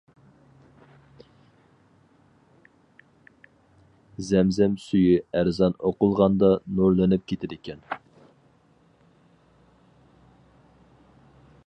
زەمزەم سۈيى ئەزان ئوقۇلغاندا نۇرلىنىپ كېتىدىكەن.